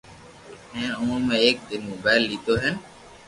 ھين اومون ۾ ايڪ دن موبائل ليدو ھين